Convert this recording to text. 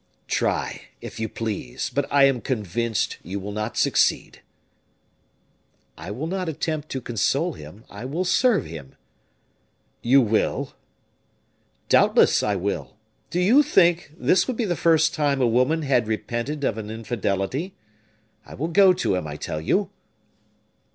"Try, if you please, but I am convinced you will not succeed." "I will not attempt to console him. I will serve him." "You will?" "Doubtless, I will. Do you think this would be the first time a woman had repented of an infidelity? I will go to him, I tell you."